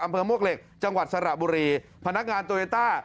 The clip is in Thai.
มวกเหล็กจังหวัดสระบุรีพนักงานโตเยต้า